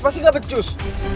pasti gak becus